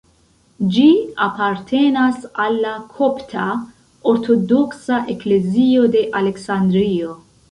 Ĝi apartenas al la Kopta Ortodoksa Eklezio de Aleksandrio.